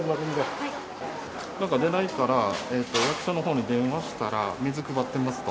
出ないから、役所のほうに電話したら、水配ってますと。